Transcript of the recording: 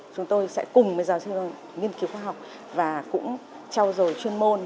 chúng tôi sẽ cùng với giáo sư nghiên cứu khoa học và cũng trao dồi chuyên môn